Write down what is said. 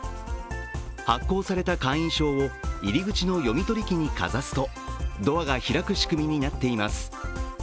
発行された会員証を入り口の読み取り機にかざすとドアが開く仕組みになっています。